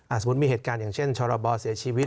สมมุติมีเหตุการณ์อย่างเช่นชรบเสียชีวิต